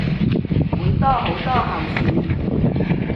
會多好多候選